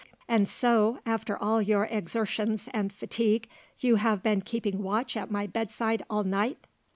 "And so, after all your exertions and fatigue, you have been keeping watch at my bedside all night?"